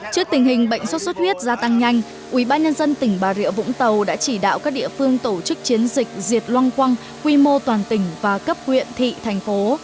trước tình hình bệnh sốt xuất huyết gia tăng nhanh ubnd tỉnh bà rịa vũng tàu đã chỉ đạo các địa phương tổ chức chiến dịch diệt loang quăng quy mô toàn tỉnh và cấp huyện thị thành phố